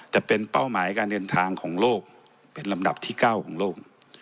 แต่เป็นเป้าหมายการเดินทางของโลกเป็นลำดับที่๙ของโลก